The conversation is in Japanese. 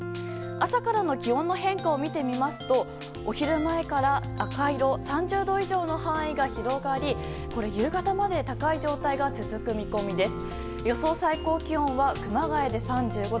朝からの気温の変化を見てみますとお昼前から赤色３０度以上の範囲が広がり夕方まで高い状態が続く見込みです。